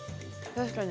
確かに。